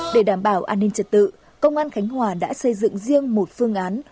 để đảm bảo an ninh trật tự công an khánh hòa đã xây dựng riêng một phương án